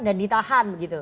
dan ditahan begitu